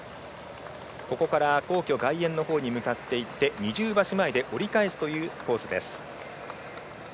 ここから、皇居外苑のほうに向かっていって二重橋前で折り返すというコースです。